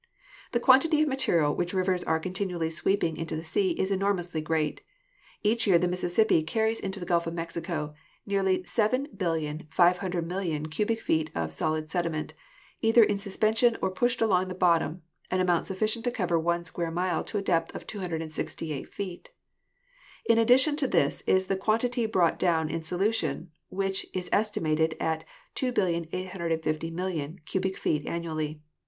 The quantity of material which rivers are continually sweeping into the sea is enormously great. Every year the Mississippi carries into the Gulf of Mexico nearly 7,500, 000,000 cubic feet of solid sediment, either in suspension or pushed along the bottom, an amount sufficient to cover one square mile to a depth of 268 feet. In addition to this is the quantity brought down in solution, which is esti mated at. 2,850,000,000 cubic feet annually.